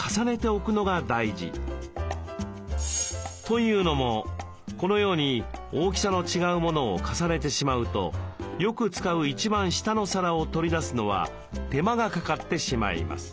というのもこのように大きさの違うモノを重ねてしまうとよく使う一番下の皿を取り出すのは手間がかかってしまいます。